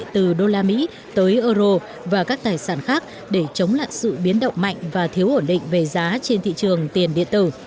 từ đô la mỹ tới euro và các tài sản khác để chống lại sự biến động mạnh và thiếu ổn định về giá trên thị trường tiền điện tử